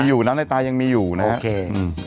อยู่นะในตายังมีอยู่นะครับ